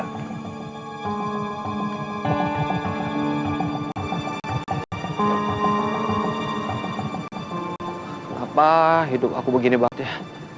kenapa hidup aku begini banget ya